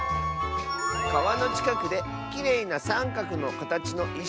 「かわのちかくできれいなさんかくのかたちのいしをみつけた！」。